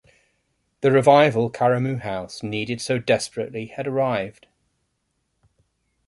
The revival Karamu House needed so desperately had arrived.